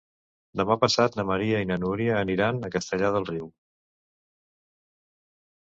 Demà passat na Maria i na Núria aniran a Castellar del Riu.